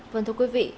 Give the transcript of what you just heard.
vâng thưa quý vị